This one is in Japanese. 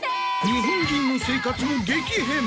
日本人の生活も激変！